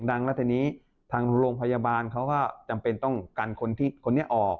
ดังแล้วทีนี้ทางโรงพยาบาลเขาก็จำเป็นต้องกันคนนี้ออก